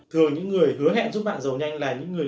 thường những người hứa hẹn giúp bạn giàu nhanh là những người